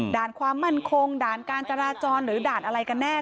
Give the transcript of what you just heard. ความมั่นคงด่านการจราจรหรือด่านอะไรกันแน่